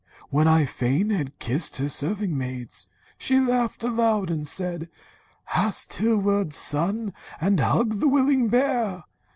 When I fain had kissed Her serving maids, she laughed aloud and said: 'Haste hillward, son, and hug the willing bear!'